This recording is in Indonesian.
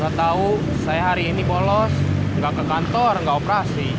gak tau saya hari ini bolos gak ke kantor gak operasi